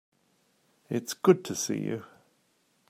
It's good to see you.